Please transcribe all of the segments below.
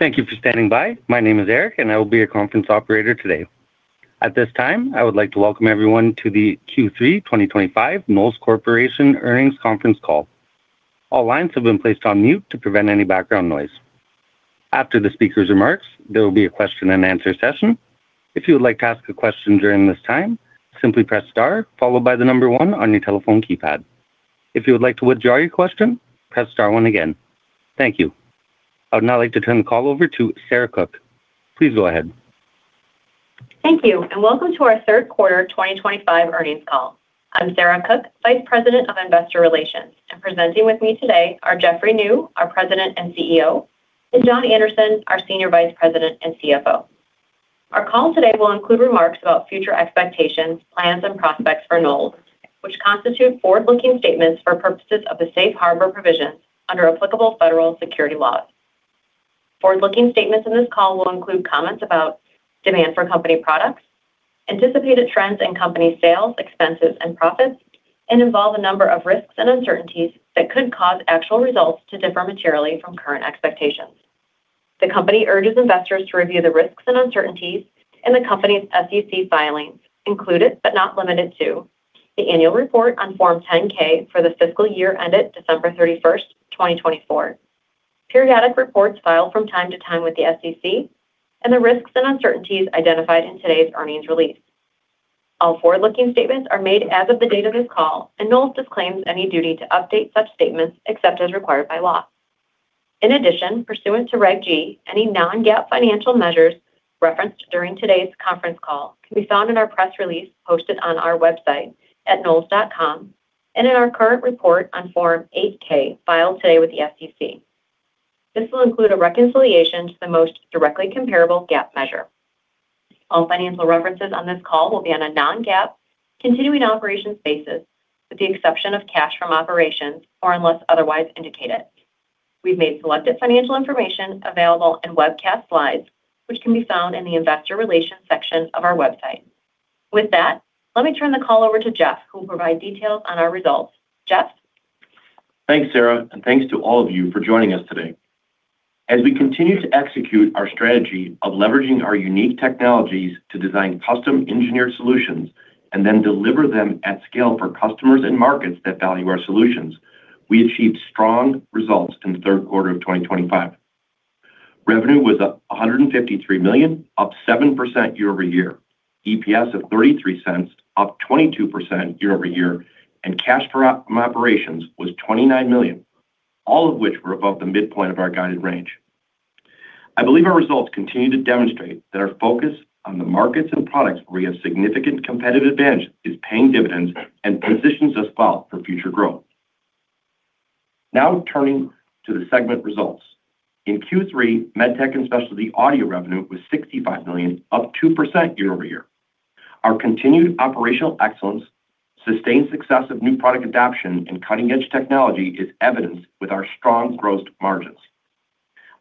Thank you for standing by. My name is Eric, and I will be your conference operator today. At this time, I would like to welcome everyone to the Q3 2025 Knowles Corporation Earnings Conference Call. All lines have been placed on mute to prevent any background noise. After the speaker's remarks, there will be a question-and-answer session. If you would like to ask a question during this time, simply press star, followed by the number one on your telephone keypad. If you would like to withdraw your question, press star one again. Thank you. I would now like to turn the call over to Sarah Cook. Please go ahead. Thank you, and welcome to our third quarter 2025 earnings call. I'm Sarah Cook, Vice President of Investor Relations, and presenting with me today are Jeffrey Niew, our President and CEO, and John Anderson, our Senior Vice President and CFO. Our call today will include remarks about future expectations, plans, and prospects for Knowles Corporation, which constitute forward-looking statements for purposes of the Safe Harbor provisions under applicable federal security laws. Forward-looking statements in this call will include comments about demand for company products, anticipated trends in company sales, expenses, and profits, and involve a number of risks and uncertainties that could cause actual results to differ materially from current expectations. The company urges investors to review the risks and uncertainties in the company's SEC filings, including, but not limited to, the annual report on Form 10-K for the fiscal year ended December 31st, 2024, periodic reports filed from time to time with the SEC, and the risks and uncertainties identified in today's earnings release. All forward-looking statements are made as of the date of this call, and Knowles Corporation disclaims any duty to update such statements except as required by law. In addition, pursuant to Reg G, any non-GAAP financial measures referenced during today's conference call can be found in our press release posted on our website at knowles.com and in our current report on Form 8-K filed today with the SEC. This will include a reconciliation to the most directly comparable GAAP measure. All financial references on this call will be on a non-GAAP continuing operations basis with the exception of cash from operations or unless otherwise indicated. We've made selected financial information available in webcast slides, which can be found in the Investor Relations section of our website. With that, let me turn the call over to Jeff, who will provide details on our results. Jeff? Thanks, Sarah, and thanks to all of you for joining us today. As we continue to execute our strategy of leveraging our unique technologies to design custom engineered solutions and then deliver them at scale for customers and markets that value our solutions, we achieved strong results in the third quarter of 2025. Revenue was $153 million, up 7% year-over-year, EPS of $0.33, up 22% year-over-year, and cash from operations was $29 million, all of which were above the midpoint of our guided range. I believe our results continue to demonstrate that our focus on the markets and products where we have significant competitive advantage is paying dividends and positions us well for future growth. Now turning to the segment results. In Q3, MedTech and specialty audio revenue was $65 million, up 2% year-over-year. Our continued operational excellence, sustained success of new product adoption, and cutting-edge technology is evidenced with our strong gross margins.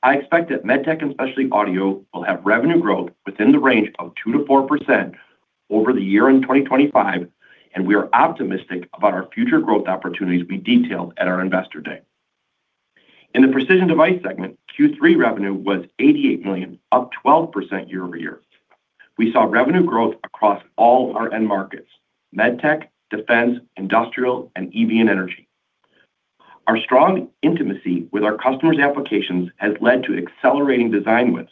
I expect that MedTech and specialty audio will have revenue growth within the range of 2%-4% over the year in 2025, and we are optimistic about our future growth opportunities we detailed at our investor day. In the Precision Devices segment, Q3 revenue was $88 million, up 12% year-over-year. We saw revenue growth across all our end markets: MedTech, defense, industrial, and EV and energy. Our strong intimacy with our customers' applications has led to accelerating design wins.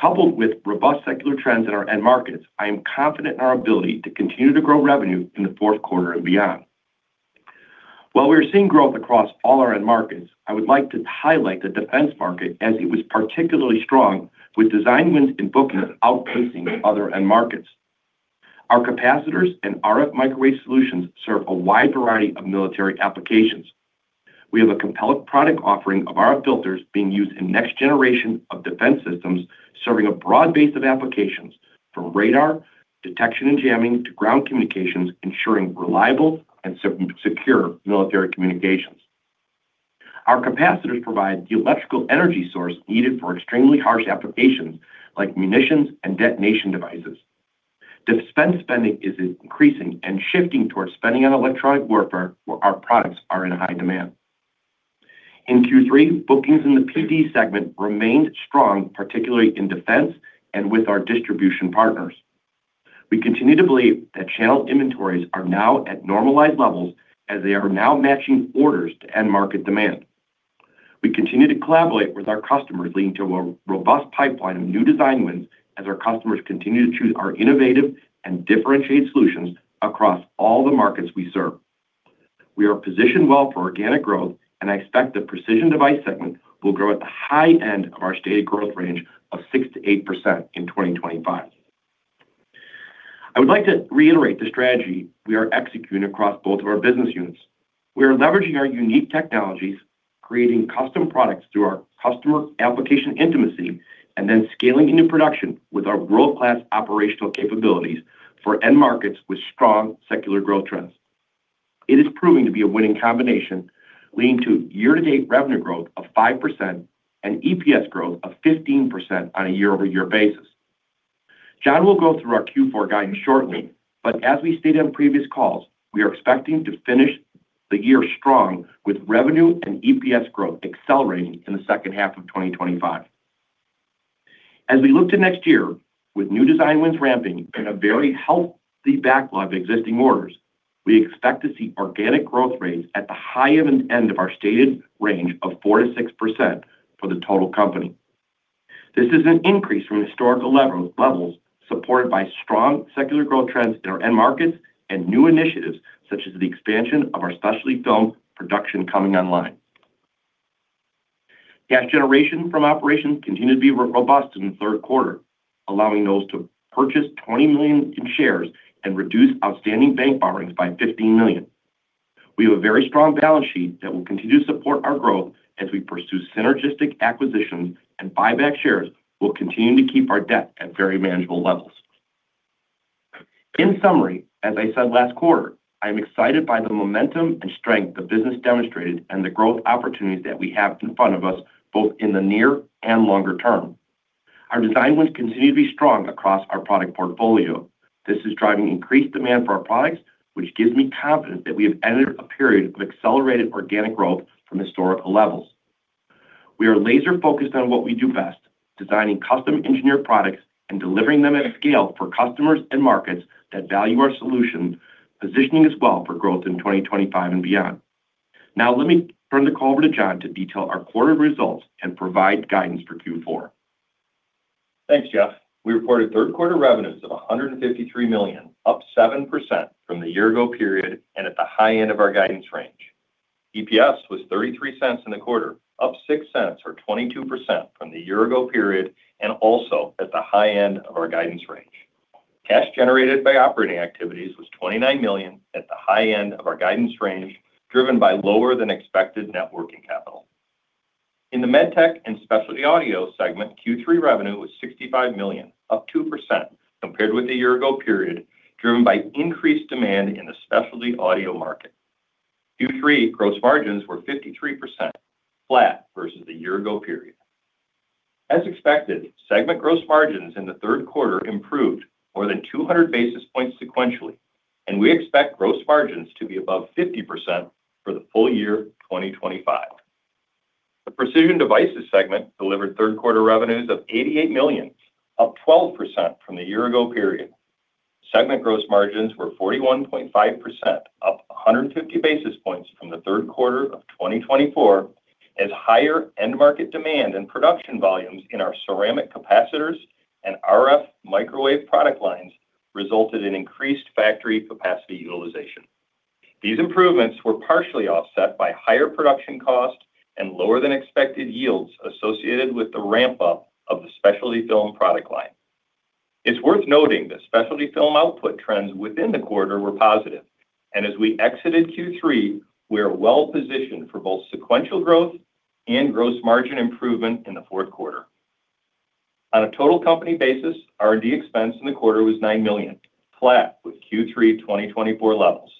Coupled with robust secular trends in our end markets, I am confident in our ability to continue to grow revenue in the fourth quarter and beyond. While we are seeing growth across all our end markets, I would like to highlight the defense market as it was particularly strong, with design wins in defense outpacing other end markets. Our ceramic capacitors and RF/Microwave solutions serve a wide variety of military applications. We have a compelling product offering of RF Filters being used in next generation of defense systems, serving a broad base of applications from radar detection and jamming to ground communications, ensuring reliable and secure military communications. Our ceramic capacitors provide the electrical energy source needed for extremely harsh applications like munitions and detonation devices. Defense spending is increasing and shifting towards spending on electronic warfare where our products are in high demand. In Q3, bookings in the Precision Devices segment remained strong, particularly in defense and with our distribution partners. We continue to believe that channel inventories are now at normalized levels as they are now matching orders to end market demand. We continue to collaborate with our customers, leading to a robust pipeline of new design wins as our customers continue to choose our innovative and differentiated solutions across all the markets we serve. We are positioned well for organic growth, and I expect the Precision Devices segment will grow at the high end of our stated growth range of 6%-8% in 2025. I would like to reiterate the strategy we are executing across both of our business units. We are leveraging our unique technologies, creating custom products through our customer application intimacy, and then scaling into production with our world-class operational capabilities for end markets with strong secular growth trends. It is proving to be a winning combination, leading to year-to-date revenue growth of 5% and EPS growth of 15% on a year-over-year basis. John will go through our Q4 guidance shortly, but as we stated on previous calls, we are expecting to finish the year strong with revenue and EPS growth accelerating in the second half of 2025. As we look to next year, with new design wins ramping and a very healthy backlog of existing orders, we expect to see organic growth rates at the high end of our stated range of 4%-6% for the total company. This is an increase from historical levels supported by strong secular growth trends in our end markets and new initiatives such as the expansion of our specialty film production coming online. Cash generation from operations continues to be robust in the third quarter, allowing Knowles to purchase $20 million in shares and reduce outstanding bank borrowings by $15 million. We have a very strong balance sheet that will continue to support our growth as we pursue synergistic acquisitions, and buyback shares will continue to keep our debt at very manageable levels. In summary, as I said last quarter, I am excited by the momentum and strength the business demonstrated and the growth opportunities that we have in front of us, both in the near and longer term. Our design wins continue to be strong across our product portfolio. This is driving increased demand for our products, which gives me confidence that we have entered a period of accelerated organic growth from historical levels. We are laser-focused on what we do best, designing custom-engineered products and delivering them at scale for customers and markets that value our solution, positioning us well for growth in 2025 and beyond. Now, let me turn the call over to John to detail our quarterly results and provide guidance for Q4. Thanks, Jeff. We reported third-quarter revenues of $153 million, up 7% from the year-ago period and at the high end of our guidance range. EPS was $0.33 in the quarter, up $0.06 or 22% from the year-ago period and also at the high end of our guidance range. Cash generated by operating activities was $29 million at the high end of our guidance range, driven by lower than expected networking capital. In the MedTech and specialty audio segment, Q3 revenue was $65 million, up 2% compared with the year-ago period, driven by increased demand in the specialty audio market. Q3 gross margins were 53%, flat versus the year-ago period. As expected, segment gross margins in the third quarter improved more than 200 basis points sequentially, and we expect gross margins to be above 50% for the full year 2025. The Precision Devices segment delivered third-quarter revenues of $88 million, up 12% from the year-ago period. Segment gross margins were 41.5%, up 150 basis points from the third quarter of 2024, as higher end-market demand and production volumes in our ceramic capacitors and RF/Microwave solutions resulted in increased factory capacity utilization. These improvements were partially offset by higher production costs and lower than expected yields associated with the ramp-up of the specialty film product line. It's worth noting that specialty film output trends within the quarter were positive, and as we exited Q3, we are well positioned for both sequential growth and gross margin improvement in the fourth quarter. On a total company basis, R&D expense in the quarter was $9 million, flat with Q3 2024 levels.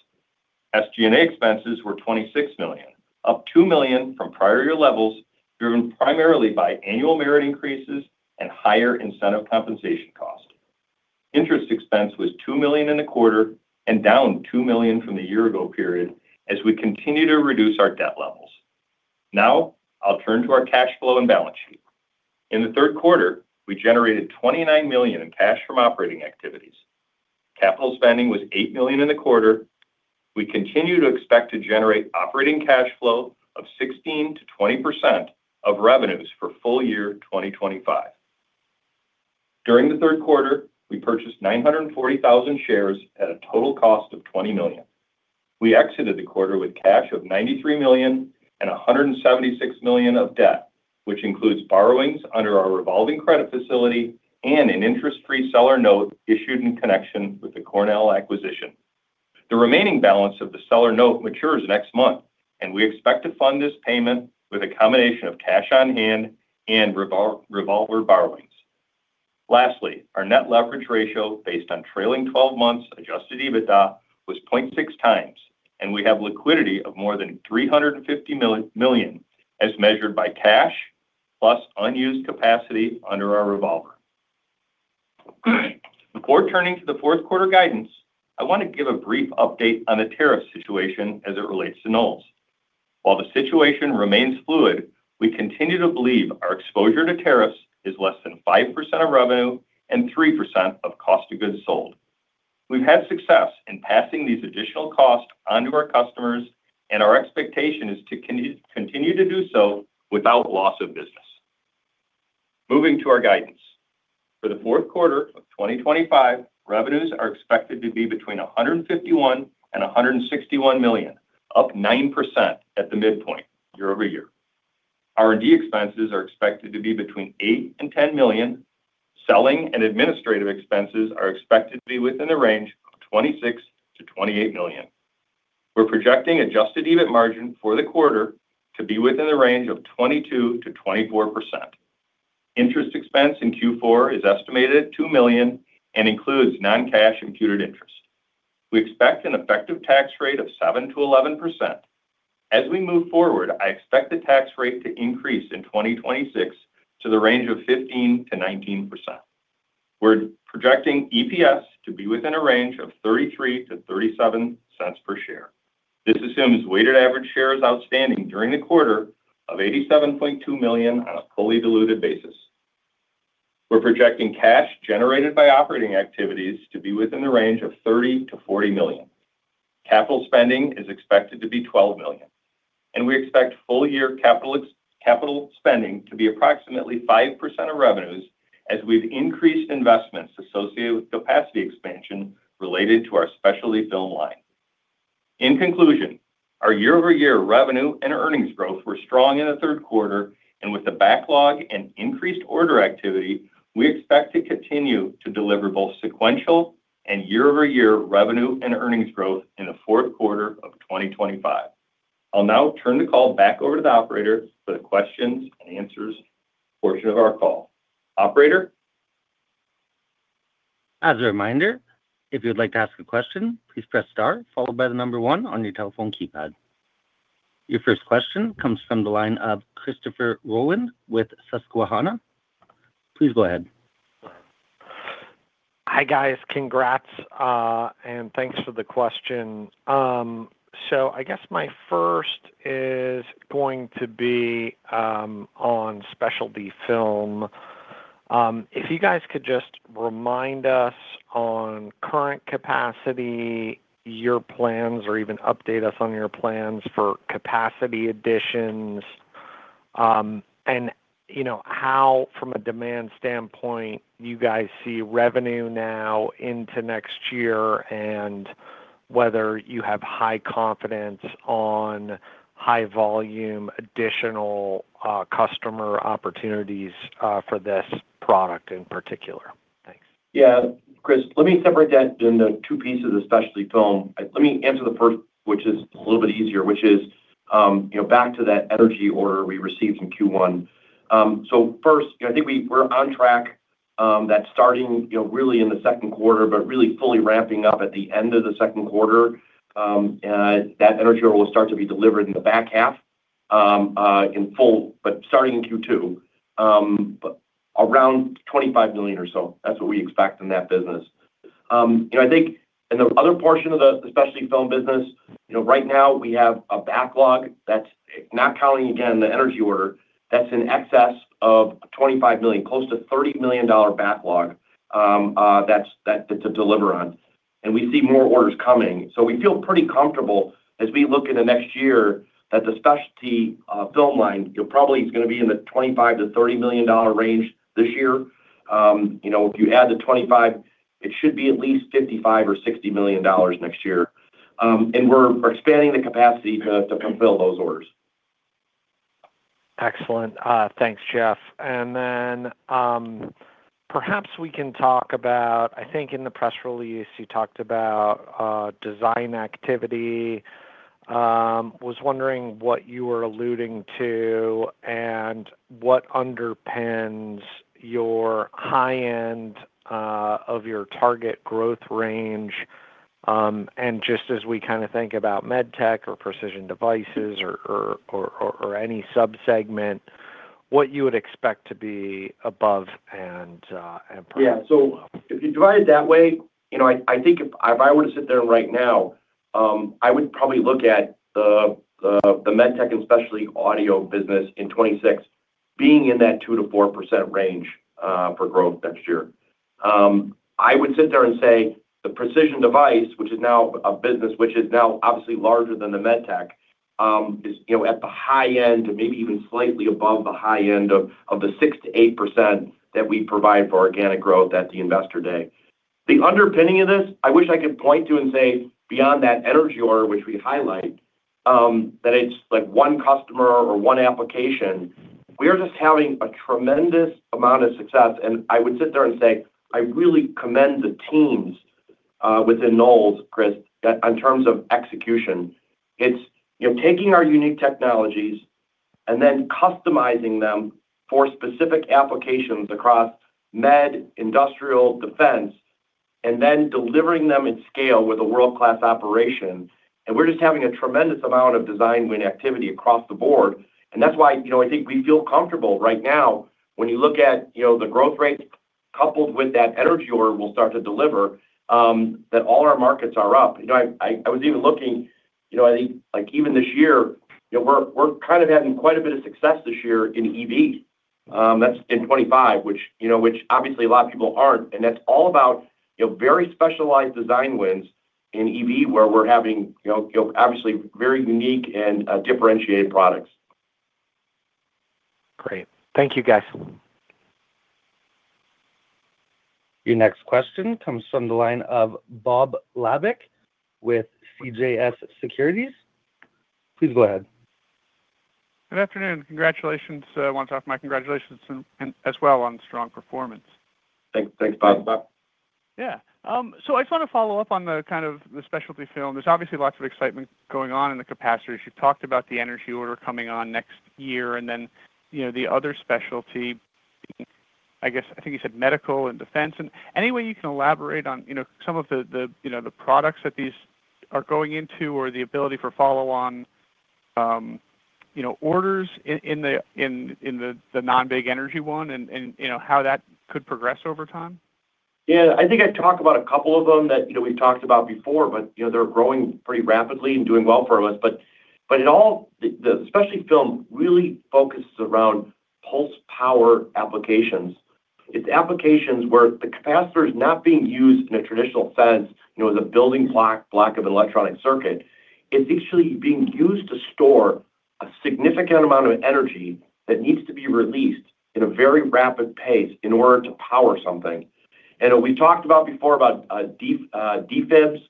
SG&A expenses were $26 million, up $2 million from prior year levels, driven primarily by annual merit increases and higher incentive compensation costs. Interest expense was $2 million in the quarter and down $2 million from the year-ago period as we continue to reduce our debt levels. Now, I'll turn to our cash flow and balance sheet. In the third quarter, we generated $29 million in cash from operating activities. Capital spending was $8 million in the quarter. We continue to expect to generate operating cash flow of 16%-20% of revenues for full year 2025. During the third quarter, we purchased 940,000 shares at a total cost of $20 million. We exited the quarter with cash of $93 million and $176 million of debt, which includes borrowings under our revolving credit facility and an interest-free seller note issued in connection with the Cornell acquisition. The remaining balance of the seller note matures next month, and we expect to fund this payment with a combination of cash on hand and revolver borrowings. Lastly, our net leverage ratio based on trailing 12 months adjusted EBITDA was 0.6 times, and we have liquidity of more than $350 million as measured by cash plus unused capacity under our revolver. Before turning to the fourth quarter guidance, I want to give a brief update on the tariff situation as it relates to Knowles. While the situation remains fluid, we continue to believe our exposure to tariffs is less than 5% of revenue and 3% of cost of goods sold. We've had success in passing these additional costs onto our customers, and our expectation is to continue to do so without loss of business. Moving to our guidance. For the fourth quarter of 2025, revenues are expected to be between $151 million and $161 million, up 9% at the midpoint year-over-year. R&D expenses are expected to be between $8 million and $10 million. Selling and administrative expenses are expected to be within the range of $26 million-$28 million. We're projecting adjusted EBIT margin for the quarter to be within the range of 22%-24%. Interest expense in Q4 is estimated at $2 million and includes non-cash imputed interest. We expect an effective tax rate of 7%-11%. As we move forward, I expect the tax rate to increase in 2026 to the range of 15%-19%. We're projecting EPS to be within a range of $0.33-$0.37 per share. This assumes weighted average shares outstanding during the quarter of 87.2 million on a fully diluted basis. We're projecting cash generated by operating activities to be within the range of $30 million-$40 million. Capital spending is expected to be $12 million, and we expect full-year capital spending to be approximately 5% of revenues as we've increased investments associated with capacity expansion related to our specialty film product line. In conclusion, our year-over-year revenue and earnings growth were strong in the third quarter, and with a backlog and increased order activity, we expect to continue to deliver both sequential and year-over-year revenue and earnings growth in the fourth quarter of 2025. I'll now turn the call back over to the operator for the questions and answers portion of our call. Operator? As a reminder, if you would like to ask a question, please press star followed by the number one on your telephone keypad. Your first question comes from the line of Christopher Rolland with Susquehanna. Please go ahead. Hi guys, congrats, and thanks for the question. I guess my first is going to be on specialty film. If you guys could just remind us on current capacity, your plans, or even update us on your plans for capacity additions, and you know how from a demand standpoint you guys see revenue now into next year and whether you have high confidence on high volume additional customer opportunities for this product in particular. Thanks. Yeah, Chris, let me separate that into two pieces of specialty film. Let me answer the first, which is a little bit easier, which is, you know, back to that energy order we received in Q1. First, I think we're on track, that starting really in the second quarter, but really fully ramping up at the end of the second quarter. That energy order will start to be delivered in the back half, in full, but starting in Q2, at around $25 million or so. That's what we expect in that business. In the other portion of the specialty film business, right now we have a backlog that's not counting again the energy order, that's in excess of $25 million, close to $30 million backlog to deliver on. We see more orders coming. We feel pretty comfortable as we look into next year that the specialty film line probably is going to be in the $25 million-$30 million range this year. If you add the $25 million, it should be at least $55 million-$60 million next year. We're expanding the capacity to fulfill those orders. Excellent. Thanks, Jeff. Perhaps we can talk about, I think in the press release you talked about design activity. I was wondering what you were alluding to and what underpins your high end of your target growth range. Just as we kind of think about MedTech or Precision Devices or any subsegment, what you would expect to be above and perhaps. Yeah, if you divide it that way, I think if I were to sit there right now, I would probably look at the MedTech and specialty audio business in 2026 being in that 2%-4% range for growth next year. I would sit there and say the Precision Devices, which is now a business which is now obviously larger than the MedTech, is at the high end, maybe even slightly above the high end of the 6%-8% that we provide for organic growth at the investor day. The underpinning of this, I wish I could point to and say beyond that energy order, which we highlight, that it's like one customer or one application. We are just having a tremendous amount of success. I would sit there and say, I really commend the teams within Knowles, Chris, in terms of execution. It's taking our unique technologies and then customizing them for specific applications across med, industrial, defense, and then delivering them at scale with a world-class operation. We're just having a tremendous amount of design win activity across the board. That's why I think we feel comfortable right now when you look at the growth rates coupled with that energy order we'll start to deliver, that all our markets are up. I was even looking, I think like even this year, we're kind of having quite a bit of success this year in EV. That's in 2025, which obviously a lot of people aren't. That's all about very specialized design wins in EV where we're having obviously very unique and differentiated products. Great. Thank you, guys. Your next question comes from the line of Bob Labick with CJS Securities. Please go ahead. Good afternoon. Congratulations. I want to offer my congratulations as well on the strong performance. Thanks, Bob. Yeah, I just want to follow up on the specialty film. There's obviously lots of excitement going on in the capacities. You've talked about the energy order coming on next year, and the other specialty, I guess I think you said medical and defense. Any way you can elaborate on some of the products that these are going into or the ability for follow-on orders in the non-big energy one, and how that could progress over time? Yeah, I think I talked about a couple of them that we've talked about before, but they're growing pretty rapidly and doing well for us. In all, the specialty film really focuses around pulse power applications. It's applications where the capacitor is not being used in a traditional sense, as a building block of an electronic circuit. It's actually being used to store a significant amount of energy that needs to be released at a very rapid pace in order to power something. We've talked before about defibs.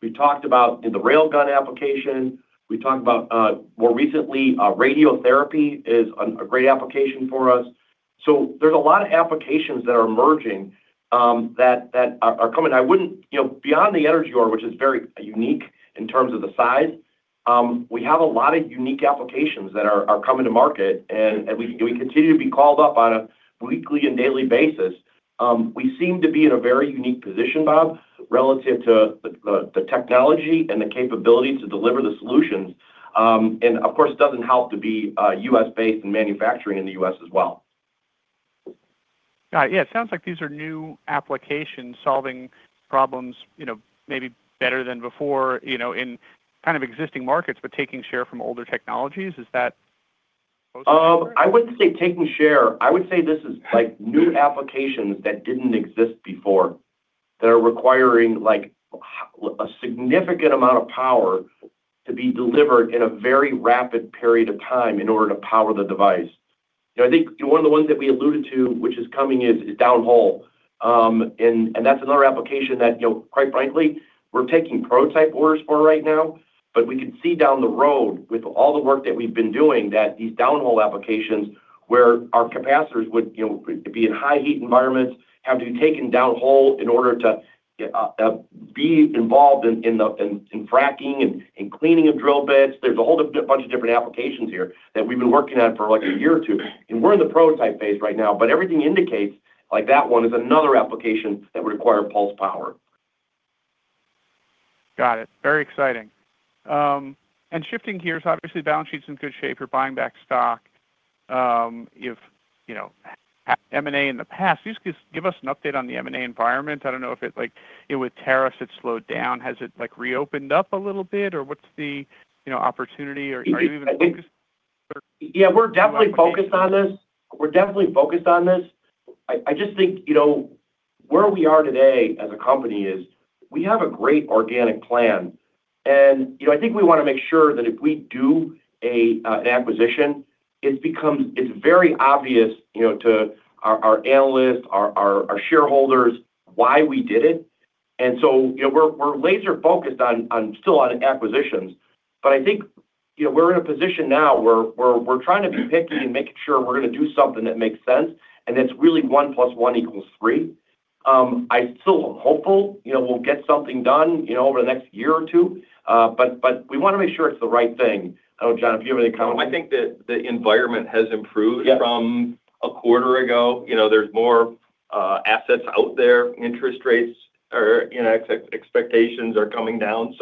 We've talked about the railgun application. More recently, radiotherapy is a great application for us. There are a lot of applications that are emerging, that are coming. I wouldn't, beyond the energy order, which is very unique in terms of the size, we have a lot of unique applications that are coming to market and we continue to be called up on a weekly and daily basis. We seem to be in a very unique position, Bob, relative to the technology and the capability to deliver the solutions. Of course, it doesn't hurt to be U.S.-based and manufacturing in the U.S. as well. Got it. Yeah, it sounds like these are new applications solving problems, maybe better than before, in kind of existing markets, but taking share from older technologies. Is that? I wouldn't say taking share. I would say this is like new applications that didn't exist before that are requiring a significant amount of power to be delivered in a very rapid period of time in order to power the device. I think one of the ones that we alluded to, which is coming, is downhole. That's another application that, quite frankly, we're taking prototype orders for right now, but we could see down the road with all the work that we've been doing that these downhole applications where our capacitors would be in high heat environments, have to be taken downhole in order to be involved in fracking and cleaning of drill bits. There are a whole bunch of different applications here that we've been working on for a year or two. We're in the prototype phase right now, but everything indicates that one is another application that would require pulse power. Got it. Very exciting. Shifting gears, obviously, the balance sheet's in good shape. You're buying back stock. You've had M&A in the past. Could you just give us an update on the M&A environment? I don't know if with tariffs, it slowed down. Has it reopened up a little bit or what's the opportunity or are you even focused? Yeah, we're definitely focused on this. I just think, you know, where we are today as a company is we have a great organic plan. I think we want to make sure that if we do an acquisition, it's very obvious, you know, to our analysts, our shareholders why we did it. We're laser-focused still on acquisitions. I think we're in a position now where we're trying to be picky and making sure we're going to do something that makes sense and it's really one plus one equals three. I still am hopeful, you know, we'll get something done, you know, over the next year or two, but we want to make sure it's the right thing. I don't know, John, if you have any comments. I think that the environment has improved from a quarter ago. There are more assets out there. Interest rates or expectations are coming down.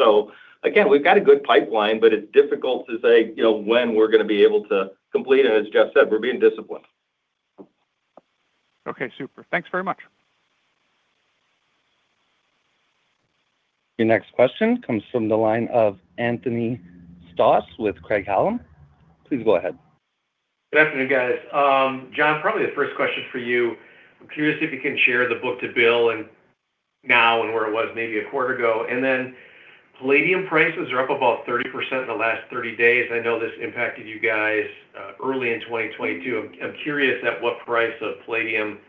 We've got a good pipeline, but it's difficult to say when we're going to be able to complete. As Jeff said, we're being disciplined. Okay, super. Thanks very much. Your next question comes from the line of Anthony Stoss with Craig-Hallum. Please go ahead. Good afternoon, guys. John, probably the first question for you. I'm curious if you can share the book to bill now and where it was maybe a quarter ago. Palladium prices are up about 30% in the last 30 days. I know this impacted you guys early in 2022. I'm curious at what price of palladium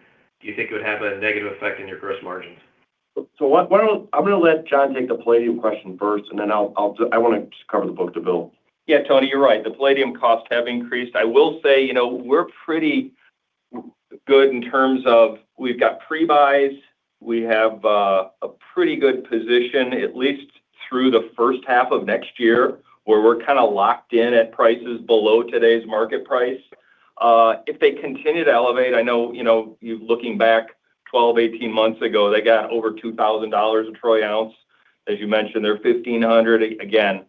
do you think it would have a negative effect in your gross margins? I'm going to let John take the palladium question first, then I want to just cover the book to bill. Yeah, Tony, you're right. The palladium costs have increased. I will say we're pretty good in terms of we've got pre-buys. We have a pretty good position at least through the first half of next year where we're kind of locked in at prices below today's market price. If they continue to elevate, I know you're looking back 12-18 months ago, they got over $2,000 a troy ounce. As you mentioned, they're $1,500. Again,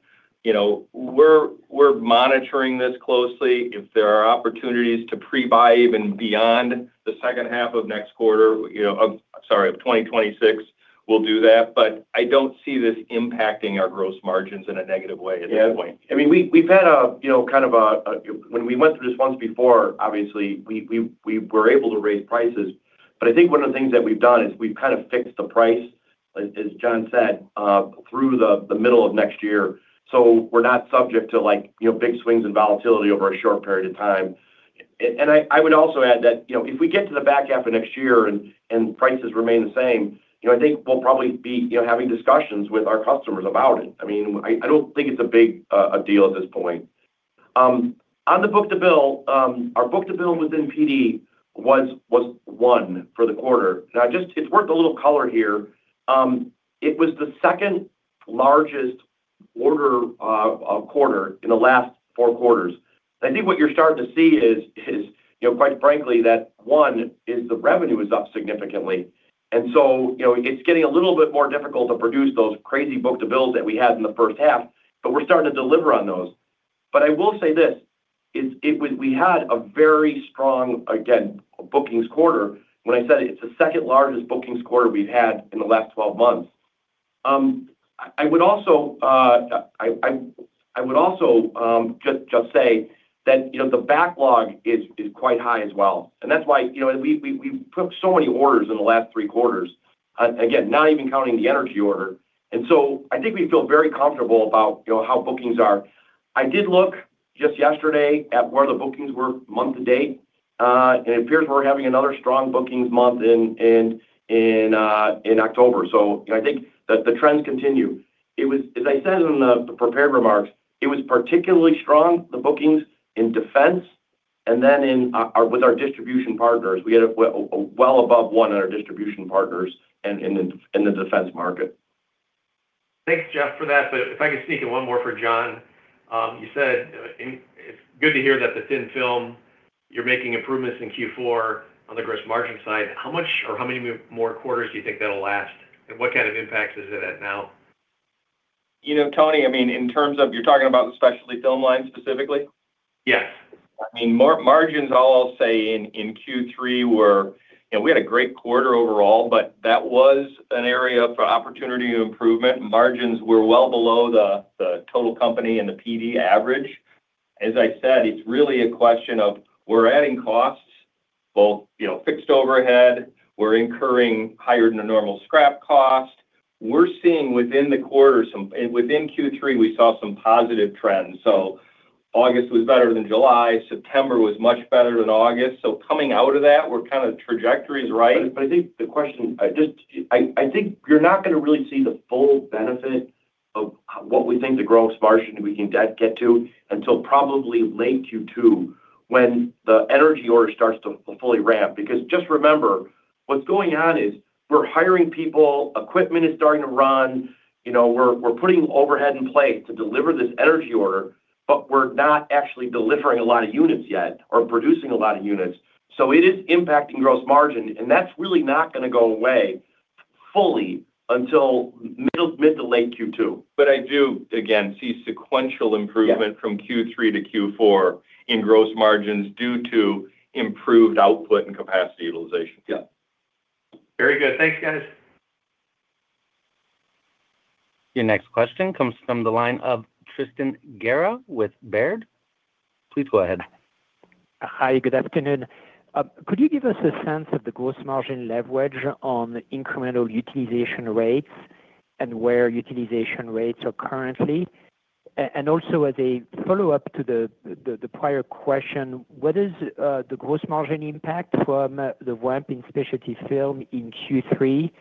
we're monitoring this closely. If there are opportunities to pre-buy even beyond the second half of next quarter, sorry, of 2026, we'll do that. I don't see this impacting our gross margins in a negative way at this point. Yeah, I mean, we've had a, you know, kind of a, when we went through this once before, obviously, we were able to raise prices. I think one of the things that we've done is we've kind of fixed the price, as John said, through the middle of next year. We're not subject to, like, big swings in volatility over a short period of time. I would also add that if we get to the back half of next year and prices remain the same, I think we'll probably be having discussions with our customers about it. I don't think it's a big deal at this point. On the book to bill, our book to bill within Precision Devices was one for the quarter. It's worth a little color here. It was the second largest order quarter in the last four quarters. I think what you're starting to see is, quite frankly, that the revenue is up significantly. It's getting a little bit more difficult to produce those crazy book to bills that we had in the first half, but we're starting to deliver on those. I will say this, it was a very strong, again, bookings quarter. When I said it's the second largest bookings quarter we've had in the last 12 months, I would also just say that the backlog is quite high as well. That's why we took so many orders in the last three quarters, again, not even counting the energy order. I think we feel very comfortable about how bookings are. I did look just yesterday at where the bookings were month to date, and it appears we're having another strong bookings month in October. I think that the trends continue. It was, as I said in the prepared remarks, particularly strong, the bookings in defense, and then with our distribution partners. We had a well above one in our distribution partners and in the defense market. Thanks, Jeff, for that. If I could sneak in one more for John, you said it's good to hear that the thin film, you're making improvements in Q4 on the gross margin side. How much or how many more quarters do you think that'll last? What kind of impacts is it at now? You know, Tony, in terms of you're talking about the specialty film product line specifically? Yes. Margins, I'll say in Q3 were, you know, we had a great quarter overall, but that was an area for opportunity and improvement. Margins were well below the total company and the PD average. As I said, it's really a question of we're adding costs, both fixed overhead, we're incurring higher than a normal scrap cost. We're seeing within the quarter some, within Q3, we saw some positive trends. August was better than July. September was much better than August. Coming out of that, our trajectory is right. I think the question, just I think you're not going to really see the full benefit of what we think the gross margin we can get to until probably late Q2 when the energy order starts to fully ramp. Because just remember, what's going on is we're hiring people, equipment is starting to run, you know, we're putting overhead in place to deliver this energy order, but we're not actually delivering a lot of units yet or producing a lot of units. It is impacting gross margin, and that's really not going to go away fully until mid to late Q2. I do, again, see sequential improvement from Q3-Q4 in gross margins due to improved output and capacity utilization. Yeah, very good. Thanks, guys. Your next question comes from the line of Tristan Gerra with Baird. Please go ahead. Hi, good afternoon. Could you give us a sense of the gross margin leverage on incremental utilization rates and where utilization rates are currently? Also, as a follow-up to the prior question, what is the gross margin impact from the ramp in specialty film in Q3?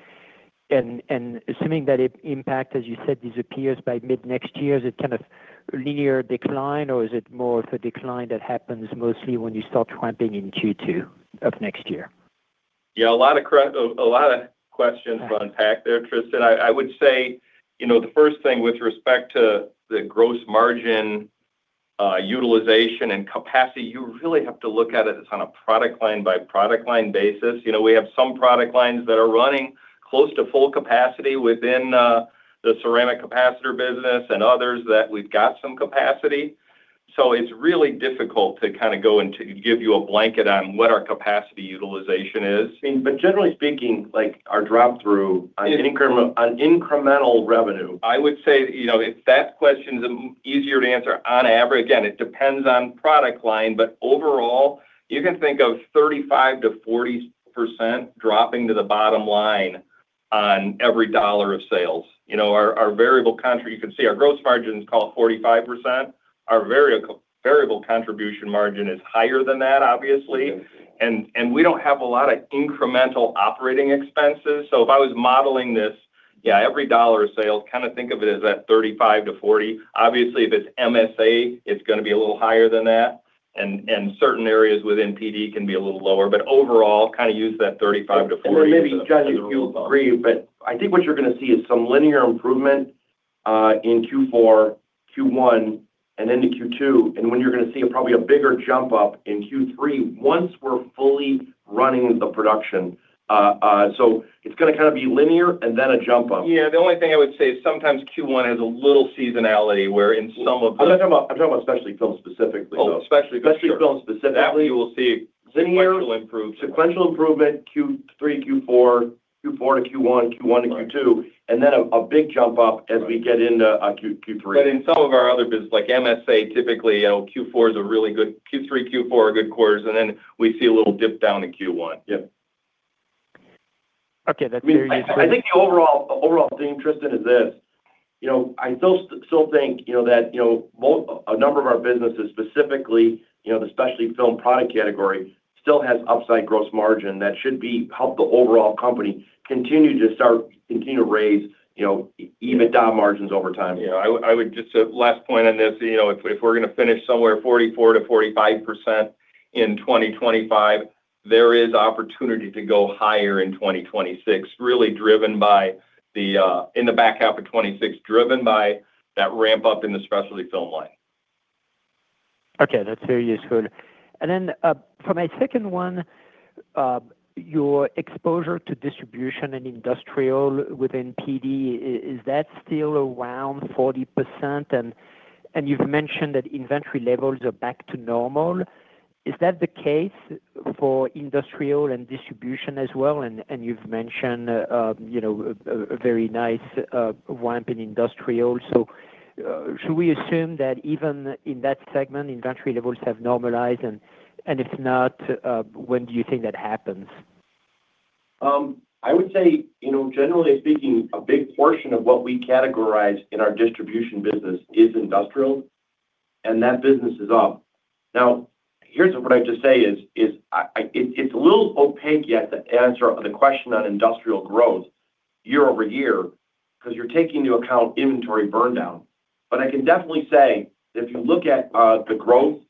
Assuming that impact, as you said, disappears by mid-next year, is it kind of a linear decline or is it more of a decline that happens mostly when you start ramping in Q2 of next year? Yeah, a lot of questions to unpack there, Tristan. I would say, you know, the first thing with respect to the gross margin utilization and capacity, you really have to look at it as on a product line by product line basis. We have some product lines that are running close to full capacity within the ceramic capacitors business and others that we've got some capacity. It's really difficult to kind of go and give you a blanket on what our capacity utilization is. Generally speaking, like our drop-through on incremental revenue. I would say, you know, if that question is easier to answer, on average, again, it depends on product line, but overall, you can think of 35%-40% dropping to the bottom line on every dollar of sales. You know, our variable contribution, you can see our gross margins, call it 45%. Our variable contribution margin is higher than that, obviously. We don't have a lot of incremental operating expenses. If I was modeling this, yeah, every dollar of sale, kind of think of it as that 35%-40%. Obviously, if it's MSA, it's going to be a little higher than that. Certain areas within Precision Devices can be a little lower. Overall, kind of use that 35%-40%. Or maybe, John, you'll agree, but I think what you're going to see is some linear improvement in Q4, Q1, and into Q2. You're going to see probably a bigger jump up in Q3 once we're fully running the production. It's going to kind of be linear and then a jump up. Yeah, the only thing I would say is sometimes Q1 has a little seasonality where in some of the I'm talking about specialty film specifically, though. Oh, specialty film. Specialty film specifically, You will see Linear sequential improvement Q3, Q4. Q4-Q1, Q1-Q2, and then a big jump up as we get into Q3. In some of our other business, like MSA, typically, you know, Q4 is a really good, Q3, Q4 are good quarters, and then we see a little dip down in Q1. Yep. Okay, that's very useful. I think the overall theme, Tristan, is this. I still think that a number of our businesses, specifically the specialty film product category, still has upside gross margin that should help the overall company continue to raise EBITDA margins over time. Yeah, I would just, last point on this, you know, if we're going to finish somewhere 44%-45% in 2025, there is opportunity to go higher in 2026, really driven by the, in the back half of 2026, driven by that ramp up in the specialty film product line. Okay, that's very useful. For my second one, your exposure to distribution and industrial within Precision Devices, is that still around 40%? You've mentioned that inventory levels are back to normal. Is that the case for industrial and distribution as well? You've mentioned a very nice ramp in industrial. Should we assume that even in that segment, inventory levels have normalized? If not, when do you think that happens? I would say, you know, generally speaking, a big portion of what we categorize in our distribution business is industrial, and that business is up. Now, here's what I just say is, it's a little opaque yet to answer the question on industrial growth year-over-year because you're taking into account inventory burndown. I can definitely say that if you look at the growth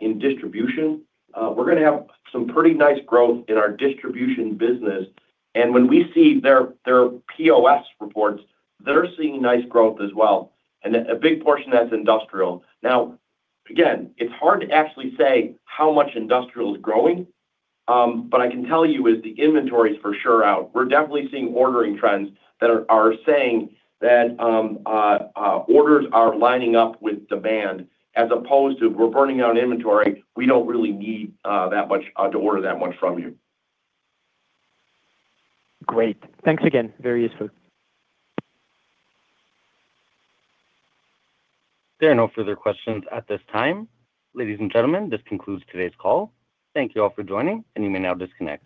in distribution, we're going to have some pretty nice growth in our distribution business. When we see their POS reports, they're seeing nice growth as well, and a big portion of that's industrial. Again, it's hard to actually say how much industrial is growing, but I can tell you the inventory is for sure out. We're definitely seeing ordering trends that are saying that orders are lining up with demand as opposed to we're burning out in inventory. We don't really need that much to order that much from you. Great. Thanks again. Very useful. There are no further questions at this time. Ladies and gentlemen, this concludes today's call. Thank you all for joining, and you may now disconnect.